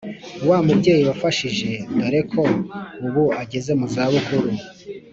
wa mubyeyi wamfashije doreko ubu ageze muzabukuru